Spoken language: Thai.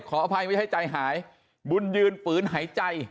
ขออภัยไม่ให้ใจหายบุญยืนฝืนหายใจ